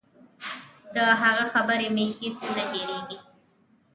د هغه خبرې مې هېڅ نه هېرېږي.